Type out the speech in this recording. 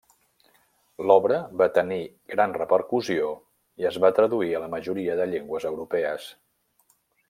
L'obra va tenir gran repercussió i es va traduir a la majoria de llengües europees.